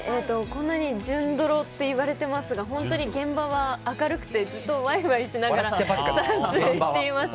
こんなに純ドロと言われていますが本当に現場は明るくてずっとワイワイしながら撮影しています。